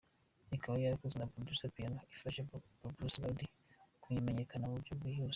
Ikaba yarakozwe na Producer Piano, ifasha Bruce Melodie kumenyekana mu buryo bwihuse.